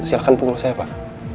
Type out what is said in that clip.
silahkan pukul saya pak